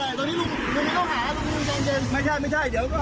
ลุงที่ลุงพูดหลับผ่านกับยิ่งมาตัวลุง